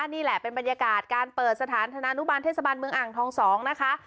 นี่แหละเป็นบรรยากาศการเปิดสถานธนานุบาลเทศบาลเมืองอ่างทอง๒นะคะ